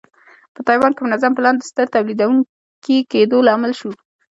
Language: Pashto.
په تایوان کې منظم پلان د ستر تولیدوونکي کېدو لامل شو.